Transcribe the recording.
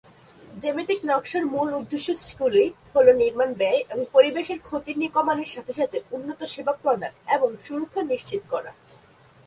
জ্যামিতিক নকশার মূল উদ্দেশ্যগুলি হ'ল নির্মাণ ব্যয় এবং পরিবেশের ক্ষতি কমানোর সাথে সাথে উন্নত সেবা প্রদান এবং সুরক্ষা নিশ্চিত করা।